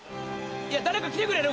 誰か来てくれる？